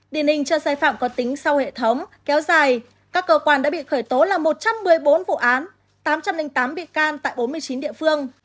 điển hình cho sai phạm có tính sau hệ thống kéo dài các cơ quan đã bị khởi tố là một trăm một mươi bốn vụ án tám trăm linh tám bị can tại bốn mươi chín địa phương